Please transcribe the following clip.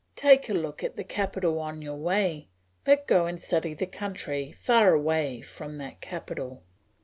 Take a look at the capital on your way, but go and study the country far away from that capital.